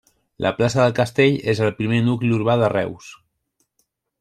La plaça del Castell és el primer nucli urbà de Reus.